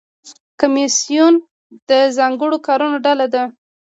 کمیسیون د ځانګړو کارونو ډله ده